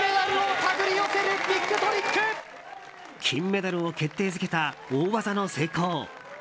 金メダルを決定づけた大技の成功。